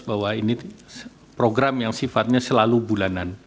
bahwa ini program yang sifatnya selalu bulanan